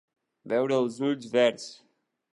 Veure els ulls verds.